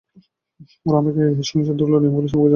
ওরা আমাকে এই সংশোধনাগারের অনিয়মগুলো সম্পর্কে বলেছিলো।